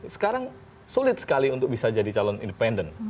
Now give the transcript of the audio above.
sekarang sulit sekali untuk bisa jadi calon independen